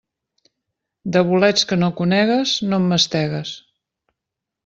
De bolets que no conegues, no en mastegues.